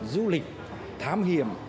du lịch thám hiểm